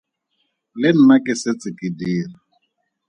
Le nna ke setse ke dira.